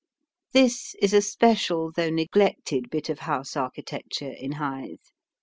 This is a special though neglected bit of house architecture in Hythe.